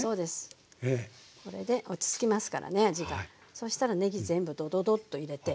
そうしたらねぎ全部どどどっと入れて。